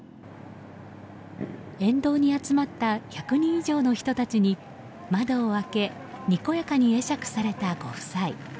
沿道に集まった１００人以上の人たちに窓を開けにこやかに会釈されたご夫妻。